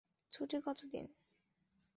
ছুটি কত দিন?